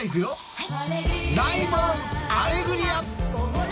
はい。